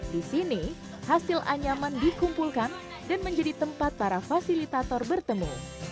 di sini hasil anyaman dikumpulkan dan menjadi tempat para fasilitator bertemu